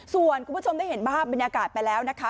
ส่วนคุณผู้ชมได้เห็นภาพบรรยากาศไปแล้วนะคะ